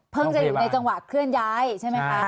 จะอยู่ในจังหวะเคลื่อนย้ายใช่ไหมคะ